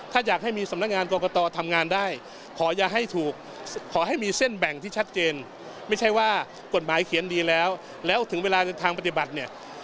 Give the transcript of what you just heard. ถ้าอยากให้มีสำนักงานกรกตทำงานได้ขออย่าให้ถูกขอให้มีเส้นแบ่งที่ชัดเจนไม่ใช่ว่ากฎหมายเขียนดีแล้วแล้วถึงเวลาในทางปฏิบัติเนี่ย